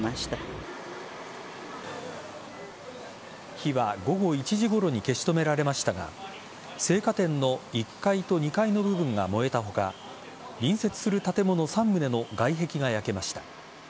火は午後１時ごろに消し止められましたが青果店の１階と２階の部分が燃えた他隣接する建物３棟の外壁が焼けました。